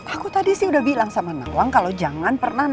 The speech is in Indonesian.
aku tadi sih udah bilang sama nawang kalau jangan pernah nangis